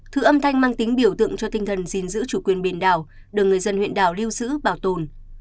thứ âm thanh mang tính biểu tượng cho tinh thần gìn giữ chủ quyền biển đảo được người dân huyện đảo lưu giữ bảo tồn